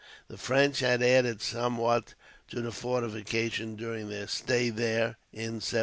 The French had added somewhat to the fortifications during their stay there in 1750.